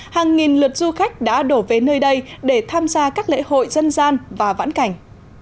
hàng nghìn lượt du khách đã đổ về nơi đây để tham gia các lễ hội dân gian và vãn cảnh